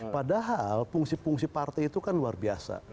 padahal fungsi fungsi partai itu kan luar biasa